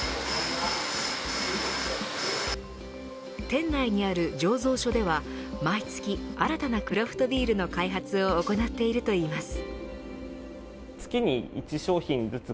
店内にある醸造所では毎月、新たなクラフトビールの開発を行っているといいます。